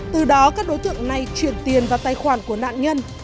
từ đó các đối tượng này chuyển tiền vào tài khoản của nạn nhân